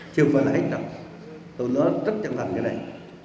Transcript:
chưa phải lãi trọng tôi nói rất chân thành cái này